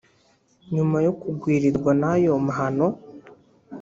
nyuma yo kugwirirwa n’ayo mahano